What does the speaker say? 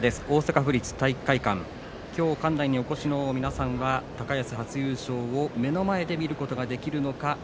大阪府立体育会館きょう館内にお越しの皆さんは高安初優勝を目の前に見ることができるのか。